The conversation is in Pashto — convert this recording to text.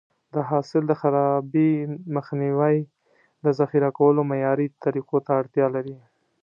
د حاصل د خرابي مخنیوی د ذخیره کولو معیاري طریقو ته اړتیا لري.